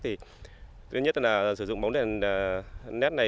thì thứ nhất là sử dụng bóng đèn led này